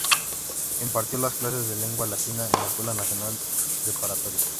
Impartió clases de lengua latina en la Escuela Nacional Preparatoria.